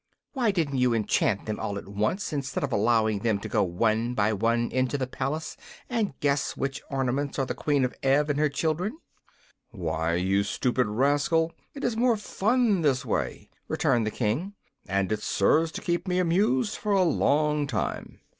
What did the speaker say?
"Why didn't you enchant them all at once, instead of allowing them to go one by one into the palace and guess which ornaments are the Queen of Ev and her children?" "Why, you stupid rascal, it is more fun this way," returned the King, "and it serves to keep me amused for a long time."